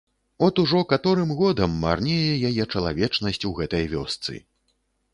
От ужо каторым годам марнее яе чалавечнасць у гэтай вёсцы.